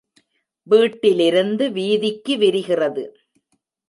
வீட்டிலிருந்து வீதிக்கு விரிகிறது.